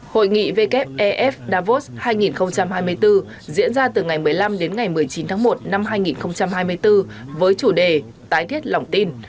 hội nghị wef davos hai nghìn hai mươi bốn diễn ra từ ngày một mươi năm đến ngày một mươi chín tháng một năm hai nghìn hai mươi bốn với chủ đề tái thiết lòng tin